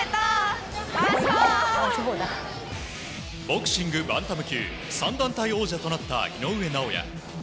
ボクシングバンタム級３団体王者となった井上尚弥。